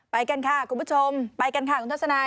ไปกันค่ะคุณผู้ชมไปกันค่ะคุณทัศนาย